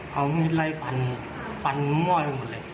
เขามีไล่ปันม่อยมากเลย